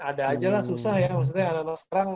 ada aja lah susah ya maksudnya anak anak sekarang